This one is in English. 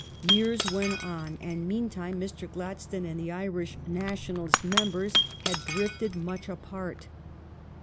Years went on, and meantime Mr. Gladstone and the Irish NationaHst members had drifted much apart.